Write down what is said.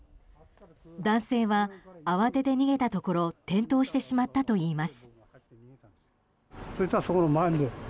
男性は慌てて逃げたところ転倒してしまったといいます。